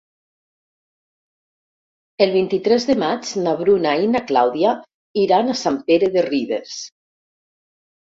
El vint-i-tres de maig na Bruna i na Clàudia iran a Sant Pere de Ribes.